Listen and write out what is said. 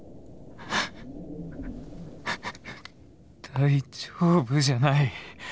大丈夫じゃない。